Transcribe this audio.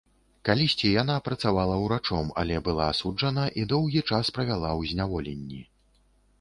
Калісьці яна працавала ўрачом, але была асуджана і доўгі час правяла ў зняволенні.